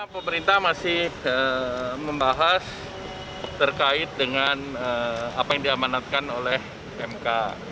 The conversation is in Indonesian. pemerintah masih membahas terkait dengan apa yang diamanatkan oleh mk